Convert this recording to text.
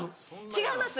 違います！